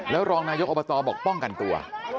รองนายกอบตบอกป้องกันตัว